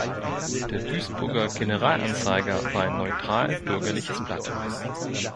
Der Duisburger General-Anzeiger war ein neutral-bürgerliches Blatt.